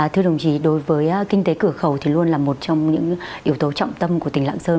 thưa đồng chí đối với kinh tế cửa khẩu thì luôn là một trong những yếu tố trọng tâm của tỉnh lạng sơn